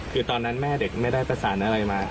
คือตอนนั้นแม่เด็กไม่ได้ประสานอะไรมา